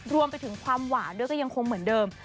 รวมไปถึงความหวานด้วยก็ยังคงเหมือนเดิม